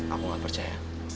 aku gak percaya